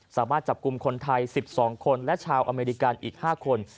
สามารถจับกลุ่มคนไทย๑๒คนและชาวอเมริกันอีก๕คน